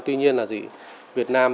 tuy nhiên là việt nam